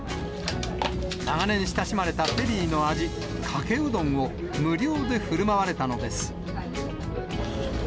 長年親しまれたフェリーの味、かけうどんを無料でふるまわれたのです。